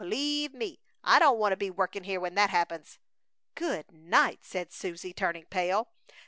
B'leeve me! I don't wantta be workin' here when that happens!" "Good night!" said Susie, turning pale.